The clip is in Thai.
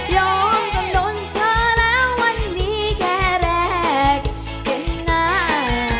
ยอมจำนวนเธอแล้ววันนี้แค่แรกเห็นหน้า